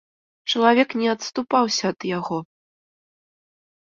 Чалавек не адступаўся ад яго.